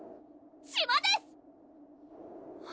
島です！